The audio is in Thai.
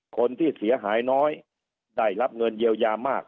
คนที่เสียหายน้อยได้รับเงินเยียวยามาก